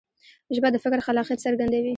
ژبه د فکر خلاقیت څرګندوي.